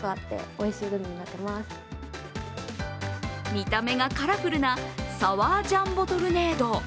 見た目がカラフルなサワージャンボトルネード。